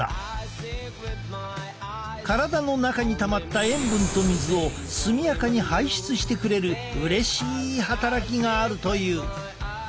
体の中にたまった塩分と水を速やかに排出してくれるうれしい働きがあるという。